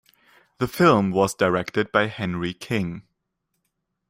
The film was directed by Henry King.